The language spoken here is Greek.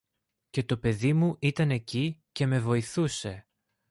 Και το παιδί μου ήταν εκεί και με βοηθούσε.